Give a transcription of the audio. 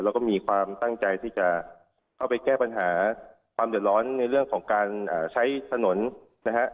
แล้วก็มีความตั้งใจที่จะเข้าไปแก้ปัญหาความเดือดร้อนในเรื่องของการใช้ถนนนะฮะ